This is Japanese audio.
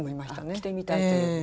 着てみたいという。